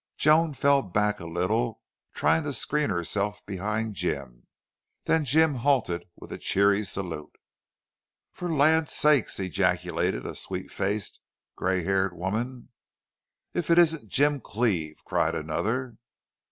Joan fell back a little, trying to screen herself behind Jim. Then Jim halted with a cheery salute. "For the land's sake!" ejaculated a sweet faced, gray haired woman. "If it isn't Jim Cleve!" cried another.